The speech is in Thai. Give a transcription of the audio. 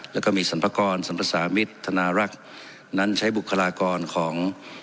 แล้วก็มีสรรพากรสรรพสามิตรธนารักษ์นั้นใช้บุคลากรของ